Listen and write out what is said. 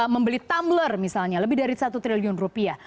membeli tumbler misalnya lebih dari satu triliun rupiah